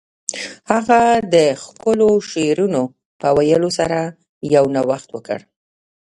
هغه د ښکلو شعرونو په ویلو سره یو نوښت وکړ